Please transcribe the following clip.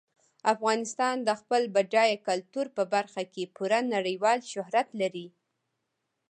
افغانستان د خپل بډایه کلتور په برخه کې پوره نړیوال شهرت لري.